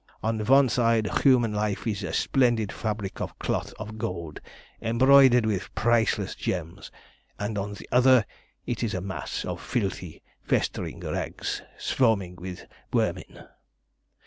On one side human life is a splendid fabric of cloth of gold embroidered with priceless gems, and on the other it is a mass of filthy, festering rags, swarming with vermin.